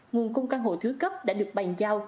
nguồn cung căn hộ thứ cấp đã được bàn giao